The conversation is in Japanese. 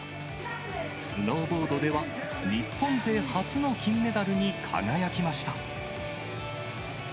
スノーボードでは、日本勢初の金メダルに輝きました。